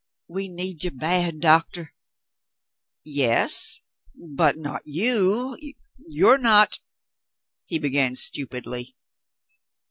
"We need you bad. Doctor." "Yes — but not you — you're not —" he began stupidly.